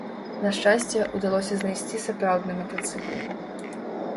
На шчасце, удалося знайсці сапраўдны матацыкл.